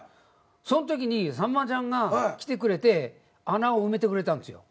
そんときにさんまちゃんが来てくれて穴を埋めてくれたんですよ。